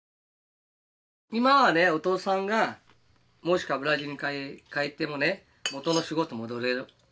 今はねお父さんがもしブラジルに帰ってもねもとの仕事戻れる。